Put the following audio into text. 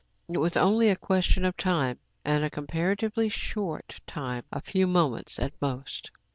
It was only a question of time, and a comparatively short time, — a few moments at most.